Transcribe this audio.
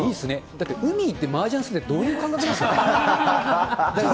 だって海行ってマージャンするって、どういう感覚なんですか。